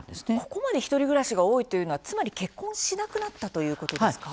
ここまで１人暮らしが多いというのは、つまり結婚しなくなったということですか？